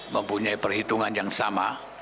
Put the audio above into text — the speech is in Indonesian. mempunyai perhitungan yang sama